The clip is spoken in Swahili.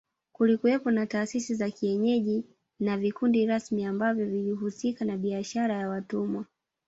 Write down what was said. Kulikuwepo na taasisi za kienyeji na vikundi rasmi ambavyo vilihusika na biashara ya watumwa